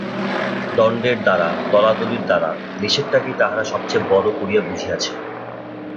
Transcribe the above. দণ্ডের দ্বারা, দলাদলির দ্বারা, নিষেধটাকেই তাহারা সব চেয়ে বড়ো করিয়া বুঝিয়াছে।